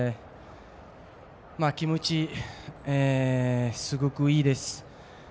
気持ちすごくいいです。